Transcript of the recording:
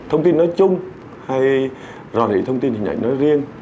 thông tin nói chung hay rò rỉ thông tin hình ảnh nói riêng